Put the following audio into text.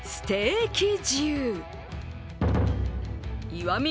石見